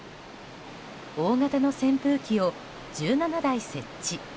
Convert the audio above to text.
大型の扇風機を１７台設置。